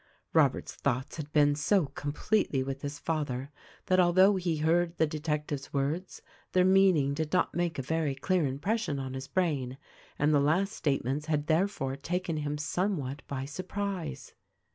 Robert's thoughts had been so completely with his father that although he heard the detective's words their meaning did not make a very clear impression on his brain, and the last statements had therefore taken him somewhat by sur prise.